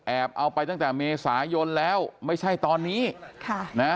เอาไปตั้งแต่เมษายนแล้วไม่ใช่ตอนนี้ค่ะนะ